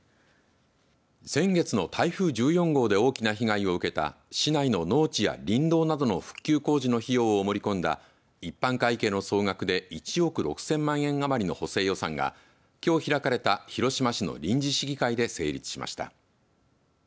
先月の台風１４号で大きな被害を受けた市内の農地や林道などの復旧工事の費用を盛り込んだ一般会計の総額で１億６０００万円余りの補正予算がきょう開かれた広島市の臨時市議会で成立しました。